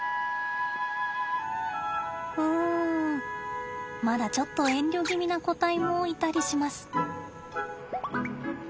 うんまだちょっと遠慮気味な個体もいたりします。